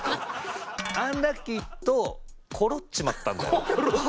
アンラッキーとコロっちまったんだよ。